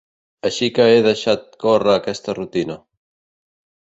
Així que he deixat córrer aquesta rutina.